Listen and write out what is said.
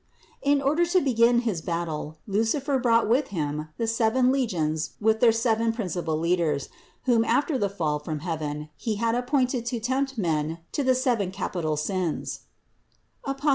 340. In order to begin his battle Lucifer brought with him the seven legions with their seven principal leaders, whom after the fall from heaven he had appointed to tempt men to the seven capital sins (Apoc.